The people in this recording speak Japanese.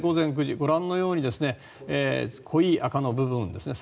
ご覧のように濃い赤の部分ですね